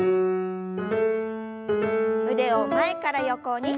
腕を前から横に。